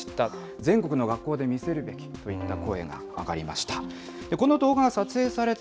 全国の学校で見せるべきといった声が上がりました。